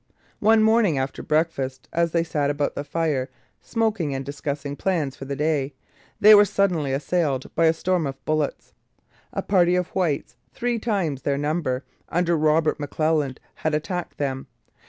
One morning after breakfast, as they sat about the fire smoking and discussing plans for the day, they were suddenly assailed by a storm of bullets. A party of whites, three times their number, under Robert McClelland, had attacked them.